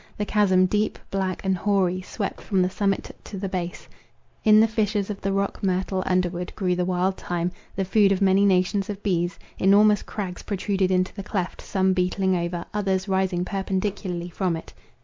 The chasm, deep, black, and hoary, swept from the summit to the base; in the fissures of the rock myrtle underwood grew and wild thyme, the food of many nations of bees; enormous crags protruded into the cleft, some beetling over, others rising perpendicularly from it.